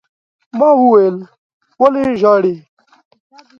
ما وويل: ولې ژاړې؟